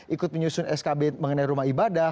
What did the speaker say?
ikut menyusun skb mengenai rumah ibadah